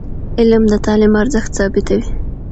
علم د تعلیم ارزښت ثابتوي.